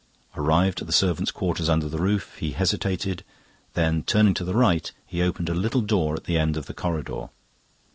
Arrived at the servants' quarters under the roof, he hesitated, then turning to the right he opened a little door at the end of the corridor.